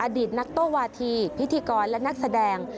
อดีตนักโต้วาธีพิธีกรและนักแสดง